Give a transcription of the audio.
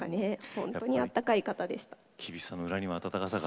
本当にあったかい方でした。